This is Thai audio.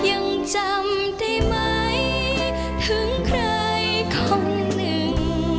ยังจำได้ไหมถึงใครคนหนึ่ง